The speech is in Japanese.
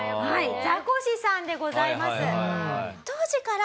はい。